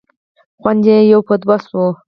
خوند یې یو په دوه شو.